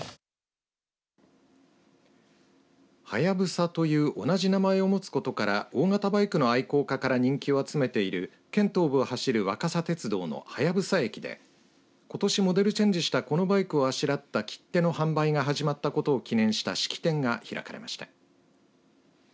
隼という同じ名前を持つことから大型バイクの愛好家らから人気を集めている県東部を走る若桜鉄道の隼駅でことし、モデルチェンジしたこのバイクをあしらった切手の販売が始まったことを記念した式典が開かれました。